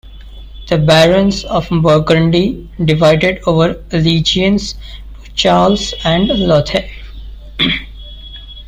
The barons of Burgundy divided over allegiance to Charles and Lothair.